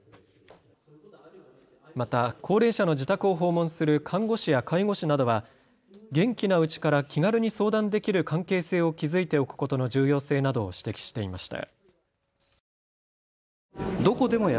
また高齢者の自宅を訪問する看護師や介護士などは元気なうちから気軽に相談できる関係性を築いておくことの重要性などを指摘していました。